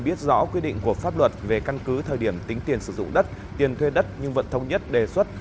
biết rõ quy định của pháp luật về căn cứ thời điểm tính tiền sử dụng đất tiền thuê đất nhưng vẫn thông nhất đề xuất